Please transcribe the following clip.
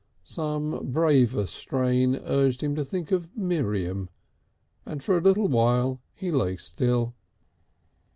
Some braver strain urged him to think of Miriam, and for a little while he lay still....